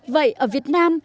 vậy ở việt nam